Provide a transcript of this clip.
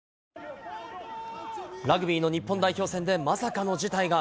ラグビーの日本代表戦でまさかの事態が。